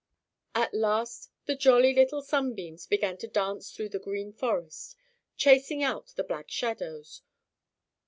At last the Jolly Little Sunbeams began to dance through the Green Forest, chasing out the Black Shadows.